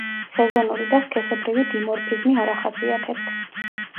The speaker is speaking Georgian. სეზონური და სქესობრივი დიმორფიზმი არ ახასიათებთ.